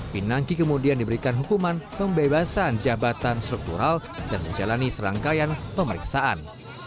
pinangki kemudian diberikan hukuman pembebasan jabatan struktural dan menjalani serangkaian pemeriksaan